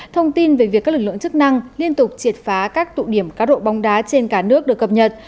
thông tin về việc các lực lượng chức năng liên tục triệt phá các tụ điểm cá độ bóng đá trên cả nước được cập nhật